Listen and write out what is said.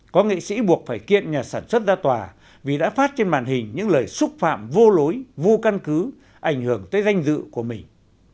có nghệ sĩ buộc phải kiện nhà sản xuất ra tòa vì đã phát trên màn hình những lời xúc phạm vô lối vô căn cứ ảnh hưởng tới danh dự của mình